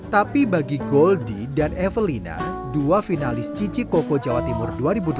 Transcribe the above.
tapi bagi goldi dan evelina dua finalis cici koko jawa timur dua ribu dua puluh